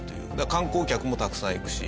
観光客もたくさん行くし。